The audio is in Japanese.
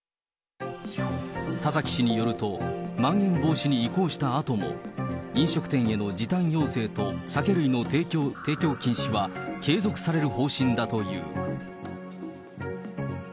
田崎氏によると、まん延防止に移行したあとも、飲食店への時短要請と酒類の提供禁止は、継続される方針だという。